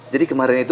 jadi kemarin itu